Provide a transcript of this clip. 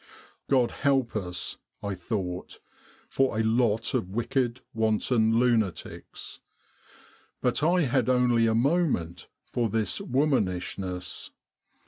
'God help us,' I thought, ' for a lot of wicked wanton lunatics !' But I had only a moment for this woman ishness.